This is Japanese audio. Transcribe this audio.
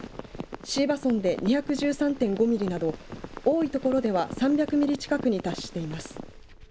椎葉村で２１３．５ミリなど多い所では３００ミリ近くに達しています。